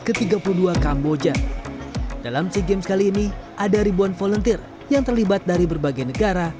ke tiga puluh dua kamboja dalam sea games kali ini ada ribuan volunteer yang terlibat dari berbagai negara